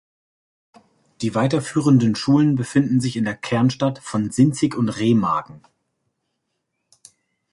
Die weiterführenden Schulen befinden sich in der Kernstadt von Sinzig und Remagen.